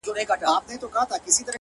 سوځوي چي زړه د وينو په اوبو کي-